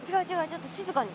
ちょっと静かに。